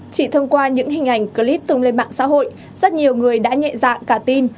chỉ thông qua những hình ảnh clip tung lên mạng xã hội rất nhiều người đã nhẹ dạ cả tin